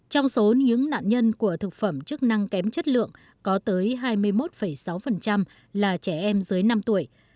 trong số những nạn nhân của thực phẩm chức năng kém chất lượng có tới hai mươi một sáu là trẻ em dưới năm tuổi